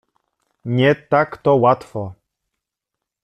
— Nie tak to łatwo.